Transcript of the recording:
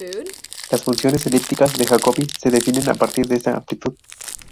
Las funciones elípticas de Jacobi se definen a partir de esta amplitud.